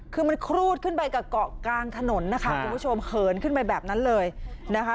คือมันครูดขึ้นไปกับเกาะกลางถนนนะคะคุณผู้ชมเหินขึ้นไปแบบนั้นเลยนะคะ